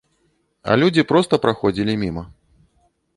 А людзі проста праходзілі міма.